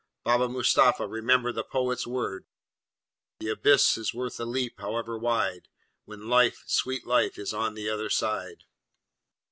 Baba Mustapha remembered the poet's words: The abyss is worth a leap, however wide, When life, sweet life, is on the other side.